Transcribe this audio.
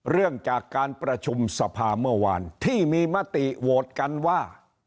เรื่องจากการประชุมสภาเมื่อวานที่มีมติโหวตกันว่า